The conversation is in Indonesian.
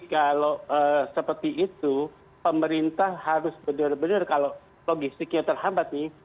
kalau seperti itu pemerintah harus benar benar kalau logistiknya terhambat nih